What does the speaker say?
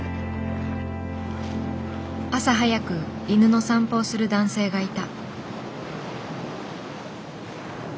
朝早く犬の散歩をする男性がいた。